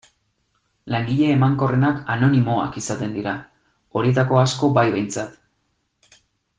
Langile emankorrenak anonimoak izaten dira, horietako asko bai behintzat.